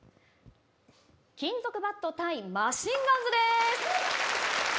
金属バット対マシンガンズです。